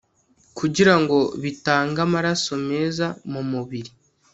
kugira ngo bitange amaraso meza mu mubiri